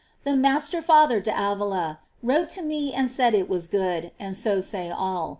The Master Father d'Avila wrote to me and said it was good, and so say all.